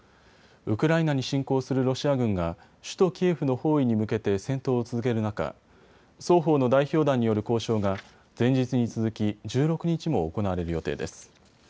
ウクライナに侵攻するロシア軍が首都キエフの包囲に向けて戦闘を続ける中、双方の代表団による交渉が前日に続き１６日も行われる予定です。